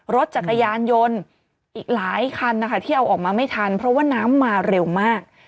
รถจักรยานยนต์อีกหลายคันนะคะที่เอาออกมาไม่ทันเพราะว่าน้ำมาเร็วมาก